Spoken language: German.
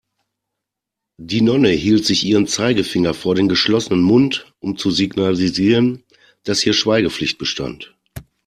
Die Nonne hielt sich ihren Zeigefinger vor den geschlossenen Mund, um zu signalisieren, dass hier Schweigepflicht bestand.